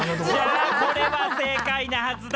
じゃあ、これは正解なはずだ。